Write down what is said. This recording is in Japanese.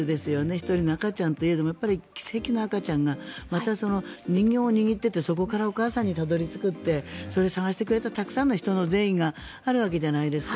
１人の赤ちゃんといえども奇跡の赤ちゃんがまた人形を握っていてそこからお母さんにたどり着くってそれ、捜してくれたたくさんの人の善意があるわけじゃないですか。